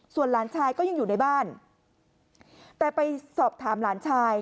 ส่วนหลานชายก็ยังอยู่ในบ้านแต่ไปสอบถามหลานชาย